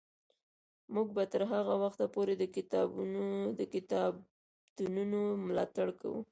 موږ به تر هغه وخته پورې د کتابتونونو ملاتړ کوو.